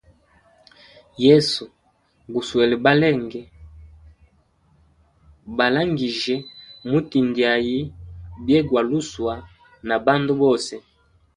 Yesu guswele balenge, balangijye mutindwʼayi byegaluswa na bandu bose.